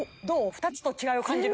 ２つと違いを感じる？